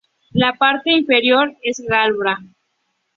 La parte inferior es glabra.